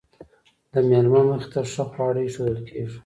د میلمه مخې ته ښه خواړه ایښودل کیږي.